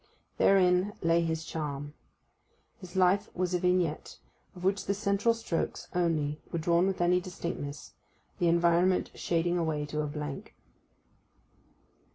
Therein lay his charm. His life was a vignette, of which the central strokes only were drawn with any distinctness, the environment shading away to a blank.